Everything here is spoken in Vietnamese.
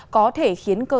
có thể khiến cơ thể bị sụn